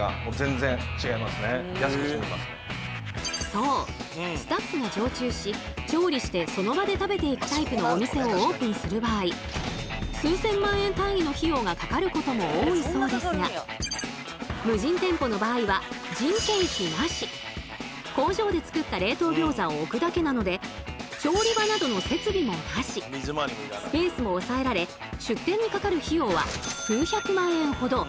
そうスタッフが常駐し調理してその場で食べていくタイプのお店をオープンする場合数千万円単位の費用がかかることも多いそうですが無人店舗の場合は工場で作った冷凍餃子を置くだけなのでスペースも抑えられ出店にかかる費用は数百万円ほど。